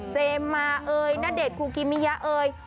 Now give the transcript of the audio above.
มาเอ่ยณเดชนคูกิมิยะเอ่ย